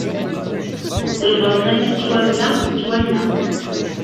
Lbaḍna ma tettwamla, tettwanna.